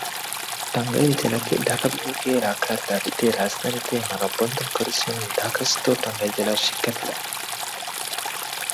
টাঙ্গাইল জেলাকে ঢাকা বিভাগে রাখার দাবিতে রাজধানীতে মানববন্ধন করেছেন ঢাকাস্থ টাঙ্গাইল জেলার শিক্ষার্থীরা।